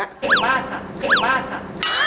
เก่งมากค่ะ